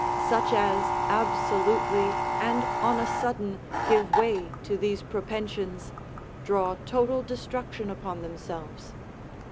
Such as absolutely and on a sudden give way to these propensions, draw total destruction upon themselves.